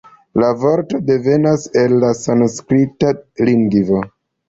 La vorto devenas el la sanskrita lingvo.